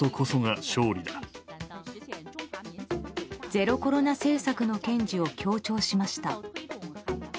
ゼロコロナ政策の堅持を強調しました。